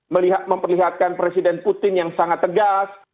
melihat memperlihatkan presiden putin yang sangat tegas